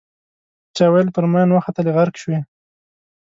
چا ویل پر ماین وختلې غرق شوې.